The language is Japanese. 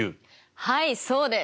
はいそうです。